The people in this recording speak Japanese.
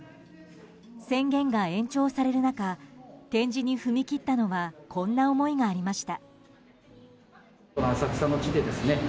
宣言が延長される中展示に踏み切ったのはこんな思いがありました。